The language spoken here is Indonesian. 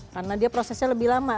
karena dia prosesnya lebih lama